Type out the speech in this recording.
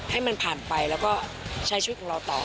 ให้มันผ่านไปแล้วก็ใช้ชีวิตของเราต่อ